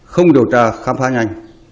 không điều tra khám phá nhanh